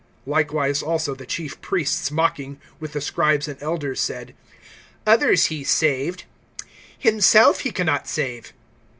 (41)Likewise also the chief priests mocking, with the scribes and elders, said: (42)Others he saved, himself he can not save.